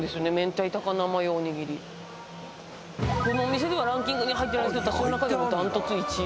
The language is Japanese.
このお店ではランキングに入ってないんですけど私の中では断トツ１位。